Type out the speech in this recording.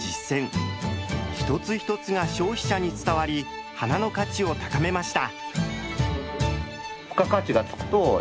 一つ一つが消費者に伝わり花の価値を高めました。